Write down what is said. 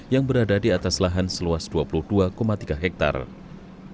yang berada di atas lahan seluas dua puluh dua tiga hektare